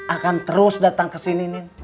akan terus datang kesini